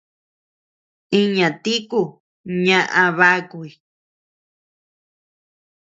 Iña tiku ñaʼa bakuy.